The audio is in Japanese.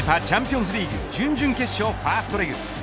ＵＥＦＡチャンピオンズリーグ準々決勝ファーストレグ